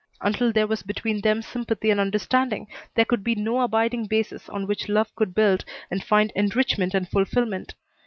Until there was between them sympathy and understanding there could be no abiding basis on which love could build and find enrichment and fulfilment.